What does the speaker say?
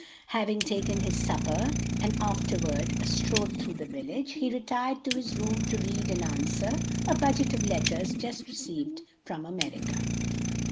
Having taken his supper and afterward a stroll through the village, he retired to his room to read and answer a budget of letters just received from America.